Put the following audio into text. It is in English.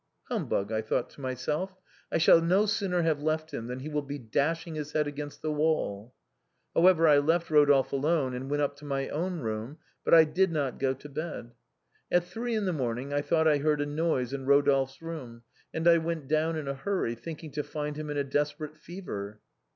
' Humbug,' I thought to myself, ' I shall no sooner have left him than he will be dashing his head against the wall.' However, I left Rodolphe alone and went up to my own room, but I did not go to bed. At three in the morning I thought I heard a noise in Eodolphe's room, and I went down in a hurry, thinking to find him in a desperate fever."